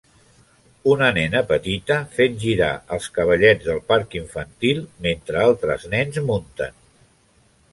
Una nena petita fent girar els cavallets del parc infantil mentre altres nens munten.